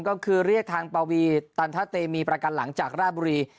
ก็คือเรียกทางปวีตันทะเตมีประกันหลังจากราบบุรี